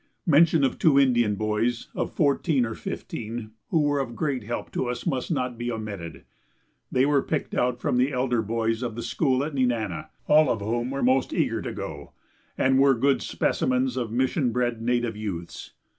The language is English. Mention of two Indian boys of fourteen or fifteen, who were of great help to us, must not be omitted. They were picked out from the elder boys of the school at Nenana, all of whom were most eager to go, and were good specimens of mission bred native youths.